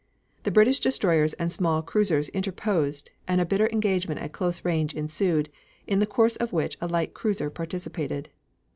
The British destroyers and small cruisers interposed, and a bitter engagement at close range ensued, in the course of which a light cruiser participated.